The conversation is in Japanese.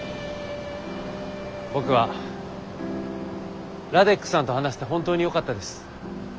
僕はラデックさんと話せて本当によかったです。